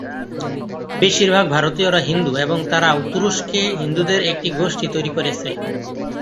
বেশিরভাগ ভারতীয়রা হিন্দু এবং তারা তুরস্কে হিন্দুদের একটি গোষ্ঠী তৈরি করেছে।